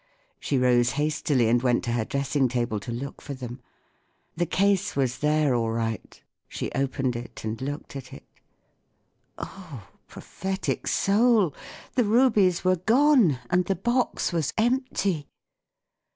She rose hastily and went to her dressing table to look for them. The case was there all right; she opened it and looked at it Qh, prophetic soul! the rubies were gone, and the box was empty!